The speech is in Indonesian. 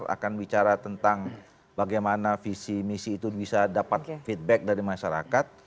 akan bicara tentang bagaimana visi misi itu bisa dapat feedback dari masyarakat